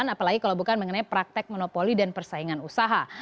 apalagi kalau bukan mengenai praktek monopoli dan persaingan usaha